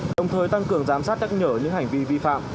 đồng thời tăng cường giám sát nhắc nhở những hành vi vi phạm